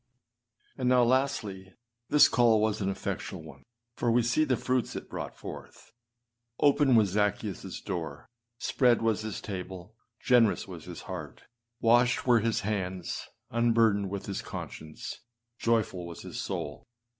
8. And now, lasdy, this call was an effectual one, for we see the fruits it brought forth. Open was Zaccheusâs door; spread was his table; generous was his heart; washed were his hands; unburdened was his conscience; joyful was his soul.